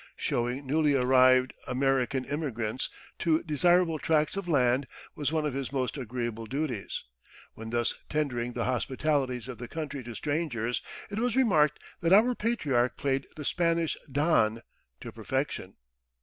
Showing newly arrived American immigrants to desirable tracts of land was one of his most agreeable duties; when thus tendering the hospitalities of the country to strangers, it was remarked that our patriarch played the Spanish "don" to perfection.